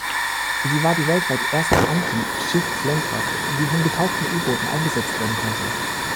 Sie war die weltweit erste Anti-Schiff-Lenkwaffe, die von getauchten U-Booten eingesetzt werden konnte.